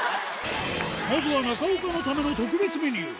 まずは中岡のための特別メニュー。